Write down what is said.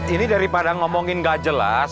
ini daripada ngomongin gak jelas